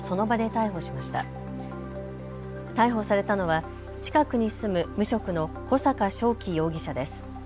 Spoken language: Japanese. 逮捕されたのは近くに住む無職の小阪渉生容疑者です。